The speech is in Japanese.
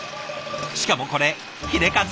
しかもこれヒレカツ。